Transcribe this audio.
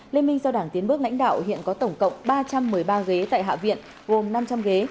liên minh do đảng tiến bước lãnh đạo hiện có tổng cộng ba trăm một mươi ba ghế tại hạ viện gồm năm trăm linh ghế